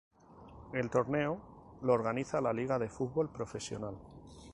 El torneo lo organiza la Liga de Fútbol Profesional.